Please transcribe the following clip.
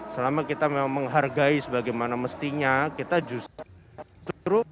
selama kita memang menghargai sebagaimana mestinya kita justru